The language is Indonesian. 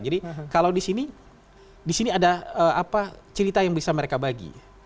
kalau di sini di sini ada cerita yang bisa mereka bagi